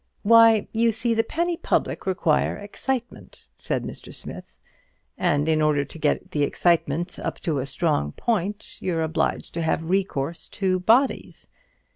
"Why, you see, the penny public require excitement," said Mr. Smith; "and in order to get the excitement up to a strong point, you're obliged to have recourse to bodies.